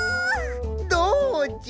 どうじゃ！